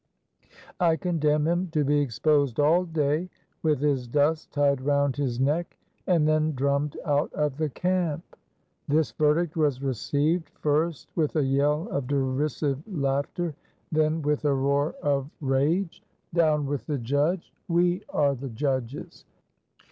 "I condemn him to be exposed all day, with his dust tied round his neck, and then drummed out of the camp." This verdict was received first with a yell of derisive laughter, then with a roar of rage. "Down with the judge!" "We are the judges!"